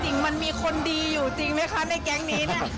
จริงมันมีคนดีอยู่จริงไหมคะในแก๊งนี้เนี่ย